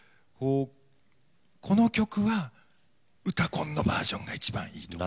この曲は「うたコン」のバージョンがいちばんいいとか